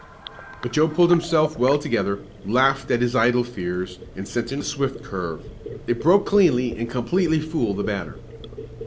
But Joe pulled himself well together, laughed at his idle fears, and sent in a swift curve. It broke cleanly and completely fooled the batter.